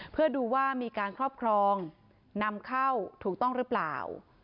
เพื่อดูว่ามีการครอบครองนำเข้าถูกต้องหรือเปล่า